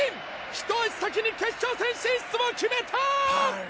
ひと足先に決勝戦進出を決めたーっ！